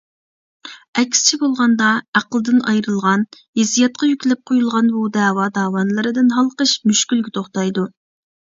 ئەكسىچە بولغاندا، ئەقىلدىن ئايرىلغان، ھېسسىياتقا يۈكلەپ قويۇلغان بۇ دەۋا داۋانلىرىدىن ھالقىش مۈشكۈلگە توختايدۇ.